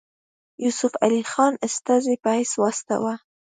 یوسف علي خان استازي په حیث واستاوه.